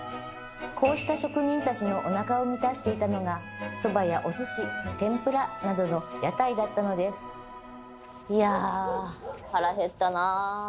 こうした職人たちのおなかを満たしていたのがそばやお寿司天ぷらなどの屋台だったのですいや腹減ったな。